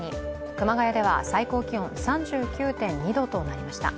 熊谷では最高気温３９．２度となりました。